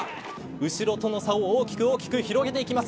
後ろとの差を大きく大きく広げていきます。